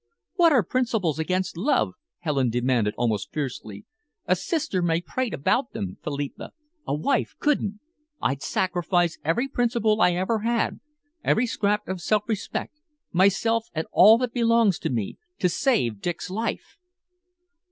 "What are principles against love?" Helen demanded, almost fiercely. "A sister may prate about them, Philippa. A wife couldn't. I'd sacrifice every principle I ever had, every scrap of self respect, myself and all that belongs to me, to save Dick's life!"